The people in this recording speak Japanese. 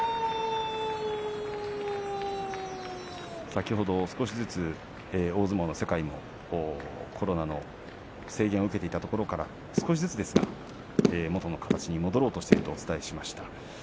先ほど少しずつ大相撲の世界もコロナの制限を受けていたところが少しずつですが元の形に戻ろうとしているという話をしました。